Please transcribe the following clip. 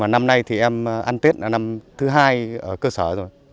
năm nay thì em ăn tết là năm thứ hai ở cơ sở rồi